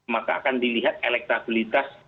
maka akan dilihat elektabilitas